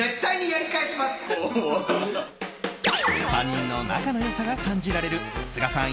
３人の仲の良さが感じられる須賀さん